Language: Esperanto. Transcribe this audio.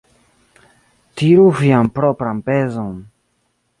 Tiru vian propran pezon.